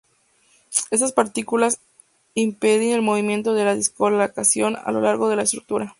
Estas partículas impedir el movimiento de dislocaciones a lo largo de la estructura.